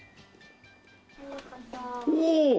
おお！